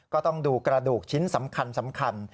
ก็ต้องดูกระดูกชิ้นสำคัญ